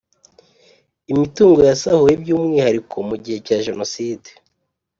Imitungo yasahuwe by’ umwihariko mu gihe cya jenoside